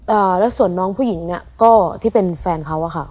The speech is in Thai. อ่าแล้วส่วนน้องผู้หญิงเนี้ยก็ที่เป็นแฟนเขาอะค่ะ